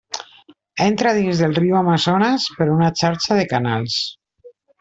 Entra dins del riu Amazones per una xarxa de canals.